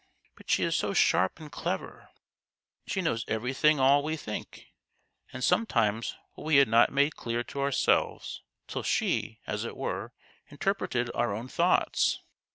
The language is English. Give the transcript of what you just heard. But she is so sharp and clever ! She knows everything all we think, and sometimes what we had not made clear to ourselves till she, as it were, interpreted our own thoughts.